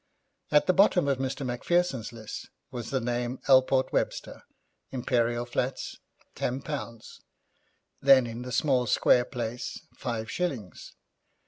At the bottom of Mr. Macpherson's list was the name Alport Webster, Imperial Flats, £10; then in the small, square place, five shillings.